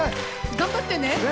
頑張ってね！